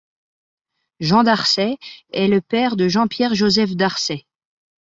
Jean d’Arcet est le père de Jean-Pierre-Joseph d'Arcet.